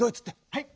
はい！